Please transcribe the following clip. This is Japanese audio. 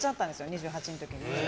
２８の時。